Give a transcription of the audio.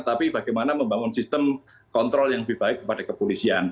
tapi bagaimana membangun sistem kontrol yang lebih baik kepada kepolisian